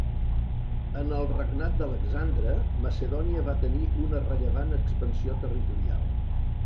En el regnat d'Alexandre Macedònia va tenir una rellevant expansió territorial.